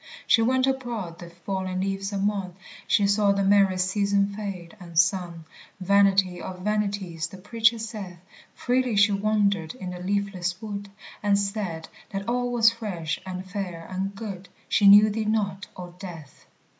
She went abroad the falling leaves among, She saw the merry season fade, and sung Vanity of vanities the Preacher saith Freely she wandered in the leafless wood, And said that all was fresh, and fair, and good She knew thee not, O Death.